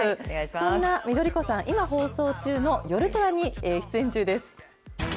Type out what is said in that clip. そんな緑子さん、今放送中の夜ドラに出演中です。